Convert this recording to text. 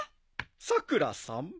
さくらさん。